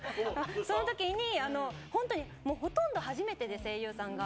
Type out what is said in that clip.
そのときに、本当にほとんど初めてで、声優さんが。